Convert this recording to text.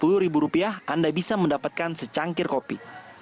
dengan sepuluh ribu rupiah anda bisa mendapatkan secangkir kopi